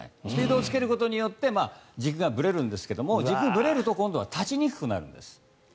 スピードをつけることによって軸がぶれるんですけど軸がぶれると今度は立ちにくくなるんです。